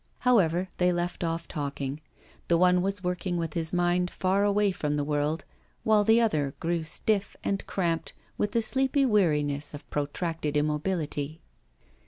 However, they left off talking. The one was working with his mind far away from the world, while the other grew stiff and cramped with the sleepy weariness of protracted immobility.